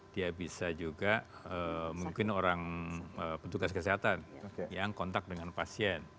dia bisa juga mungkin orang petugas kesehatan yang kontak dengan pasien